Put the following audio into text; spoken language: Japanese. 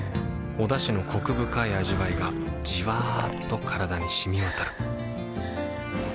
おだしのコク深い味わいがじわっと体に染み渡るはぁ。